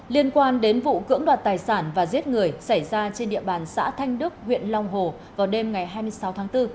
liên quan đến vụ cưỡng đoạt tài sản và giết người xảy ra trên địa bàn xã thanh đức huyện long hồ vào đêm ngày hai mươi sáu tháng bốn